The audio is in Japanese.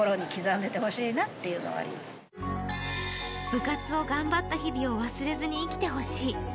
部活を頑張った日々を忘れずに生きてほしい。